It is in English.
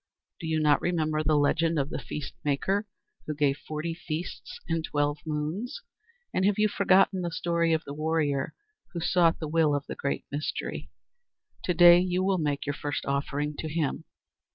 Do you not remember the 'Legend of the Feast Maker,' who gave forty feasts in twelve moons? And have you forgotten the story of the warrior who sought the will of the Great Mystery? To day you will make your first offering to him."